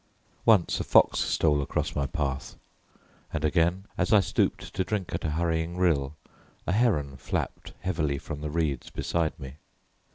Once a fox stole across my path, and again, as I stooped to drink at a hurrying rill, a heron flapped heavily from the reeds beside me.